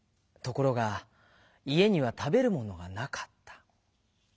ところがいえにはたべるものがなかった。